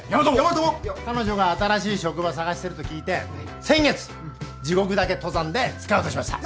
彼女が新しい職場探してると聞いて先月地獄岳登山でスカウトしました。